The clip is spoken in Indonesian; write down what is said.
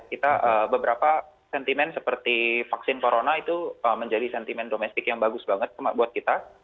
kita beberapa sentimen seperti vaksin corona itu menjadi sentimen domestik yang bagus banget buat kita